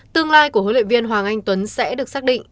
tương lai của huấn luyện viên hoàng anh tuấn sẽ được xác định